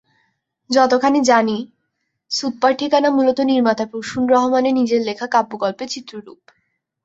যতখানি জানি, সুতপার ঠিকানা মূলত নির্মাতা প্রসূন রহমানের নিজের লেখা কাব্যগল্পের চিত্ররূপ।